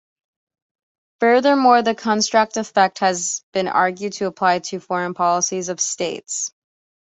Furthermore, the contrast effect has been argued to apply to foreign policies of states.